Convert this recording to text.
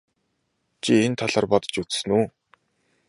Чи энэ талаар бодож үзсэн үү?